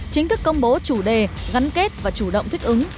chính thức công bố chủ đề gắn kết và chủ động thích ứng